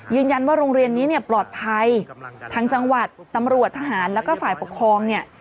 ยืนยันว่าโรงเรียนนี้ปลอดภัยทั้งจังหวัดตำรวจทหารแล้วก็ฝ่ายปกครองเนี่ย